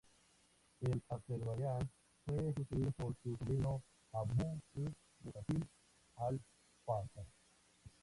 En Azerbaiyán fue sucedido por su sobrino Abu'l-Musafir al-Fath.